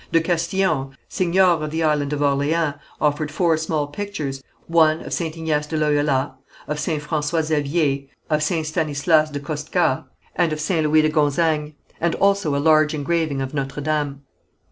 De Castillon, seignior of the Island of Orleans, offered four small pictures, one of St. Ignace de Loyola, of St. François Xavier, of St. Stanislas de Kostka, and of St. Louis de Gonzagne, and also a large engraving of Notre Dame.